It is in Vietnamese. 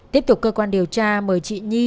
tiếp tục cơ quan điều tra mời chị nhi